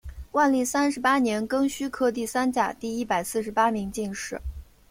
万历三十八年庚戌科第三甲第一百四十八名进士。